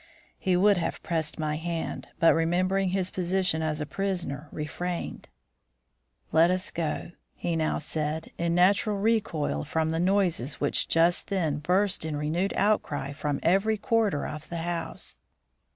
He would have pressed my hand, but remembering his position as a prisoner, refrained. "Let us go," he now said, in natural recoil from the noises which just then burst in renewed outcry from every quarter of the house.